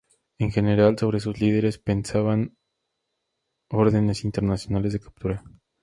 En general sobre sus líderes pesaban órdenes internacionales de captura.